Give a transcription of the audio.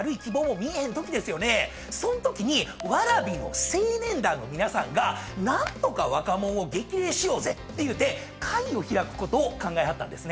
そんときに蕨の青年団の皆さんが何とか若もんを激励しようぜって言うて会を開くことを考えはったんですね。